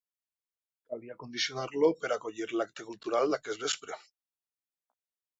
Calia condicionar-lo per acollir l'acte cultural d'aquest vespre.